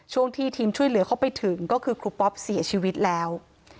ช่วงที่ทีมช่วยเหลือเขาไปถึงก็คือครูปอ๊อปเสียชีวิตแล้ว